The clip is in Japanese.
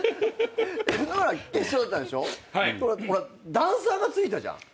ダンサーがついたじゃん。